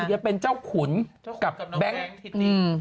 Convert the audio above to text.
เดี๋ยวเป็นเจ้าขุนกับแบงก์ทิตย์